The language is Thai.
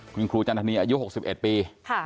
คุณครูจันทนีอายุ๖๑ปี